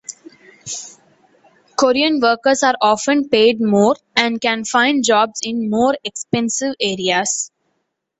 Korean workers are often paid more and can find jobs in more expensive areas.